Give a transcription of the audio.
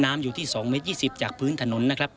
น้ำอยู่ที่๒เมตร๒๐จากพื้นถนนนะครับ